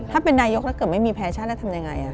ถ้าเป็นนายกถ้าเกิดไม่มีแฟชั่นแล้วทำยังไง